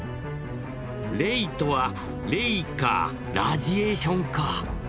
「レイとは『霊』か『ラジエーション』か」。